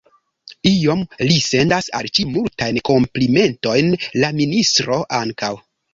Iom; li sendas al ci multajn komplimentojn; la ministro ankaŭ.